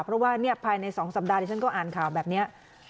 เพราะว่าภายใน๒สัปดาห์ที่ฉันก็อ่านข่าวแบบนี้